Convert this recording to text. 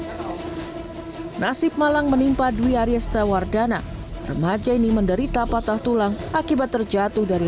hai nasib malang menimpa dwi aryestawardana remaja ini menderita patah tulang akibat terjatuh dari